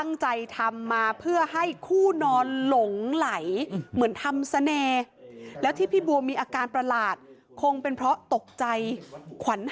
เนนแอร์บอกเก้าป่าช้า